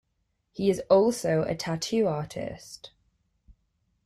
He is also a tattoo artist.